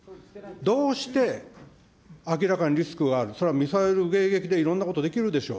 どうして明らかにリスクがある、それはミサイル迎撃でいろいろできるでしょう。